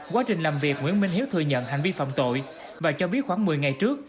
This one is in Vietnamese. quá trình làm việc nguyễn minh hiếu thừa nhận hành vi phạm tội và cho biết khoảng một mươi ngày trước